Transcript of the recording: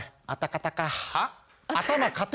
あたかた？